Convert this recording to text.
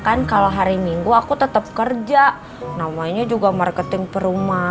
kan kalau hari minggu aku tetap kerja namanya juga marketing perumah